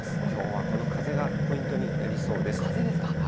きょうはこの風がポイントになり風ですか。